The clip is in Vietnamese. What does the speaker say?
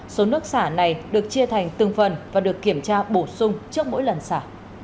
số nước xả này được chia thành từng phần và được kiểm tra bổ sung trước mỗi lần xả